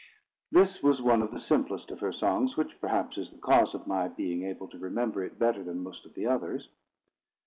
_ This was one of the simplest of her songs, which, perhaps, is the cause of my being able to remember it better than most of the others.